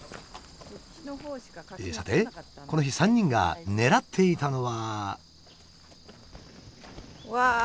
さてこの日３人が狙っていたのは。